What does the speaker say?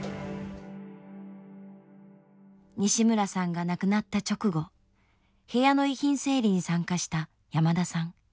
西村さんが亡くなった直後部屋の遺品整理に参加した山田さん。